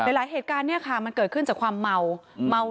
หลายเหตุการณ์มันเกิดขึ้นจากความเมาเหล้า